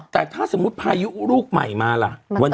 แต่ถ้าสมมุติพายุลูกใหม่มาล่ะ